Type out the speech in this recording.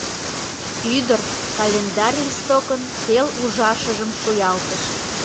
— Ӱдыр календарь листокын пел ужашыжым шуялтыш.